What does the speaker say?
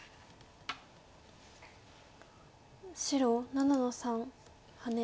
白７の三ハネ。